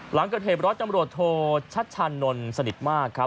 หลังเกิดเหตุร้อยจำรวจโทชัชชานนท์สนิทมากครับ